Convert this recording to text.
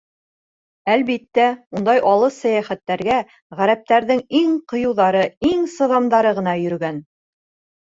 Әлбиттә, ундай алыҫ сәйәхәттәргә ғәрәптәрҙең иң ҡыйыуҙары, иң сыҙамдары ғына йөрөгән.